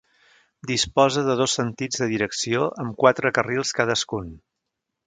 Disposa de dos sentits de direcció amb quatre carrils cadascun.